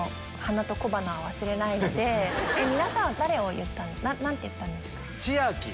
皆さんは誰を言ったんですか？